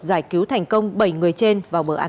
giải cứu thành công bảy người trên vào bờ an toàn